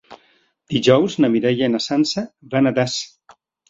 Dijous na Mireia i na Sança van a Das.